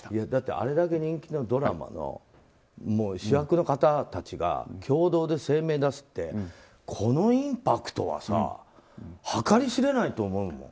あれだけ人気のドラマの主役の方たちが共同で声明を出すってこのインパクトはさ計り知れないと思うよ。